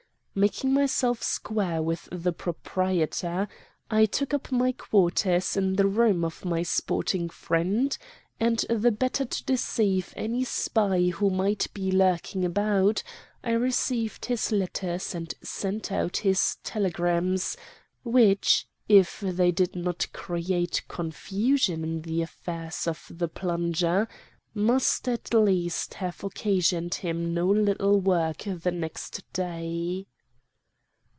Making myself square with the proprietor, I took up my quarters in the room of my sporting friend, and, the better to deceive any spy who might be lurking about, I received his letters and sent out his telegrams, which, if they did not create confusion in the affairs of 'The Plunger,' must at least have occasioned him no little work the next day.